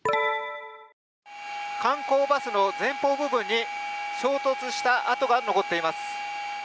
観光バスの前方部分に衝突した跡が残っています。